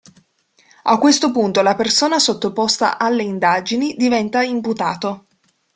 A questo punto la persona sottoposta alle indagini diventa imputato.